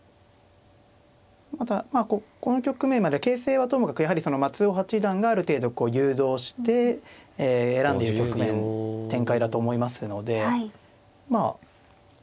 またまあこの局面までは形勢はともかくやはり松尾八段がある程度誘導して選んでいる局面展開だと思いますのでまあ